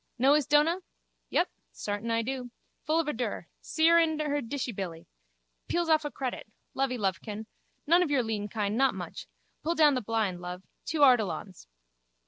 Know his dona? Yup, sartin I do. Full of a dure. See her in her dishybilly. Peels off a credit. Lovey lovekin. None of your lean kine, not much. Pull down the blind, love. Two Ardilauns.